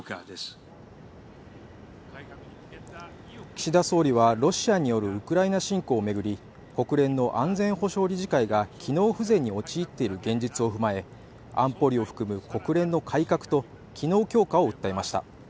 岸田総理はロシアによるウクライナ侵攻を巡り国連の安全保障理事会が機能不全に陥っている現実を踏まえ安保理を含む国連の改革と機能強化を訴えました